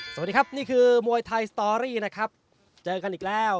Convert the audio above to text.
สวัสดีครับนี่คือมวยไทยสตอรี่นะครับเจอกันอีกแล้ว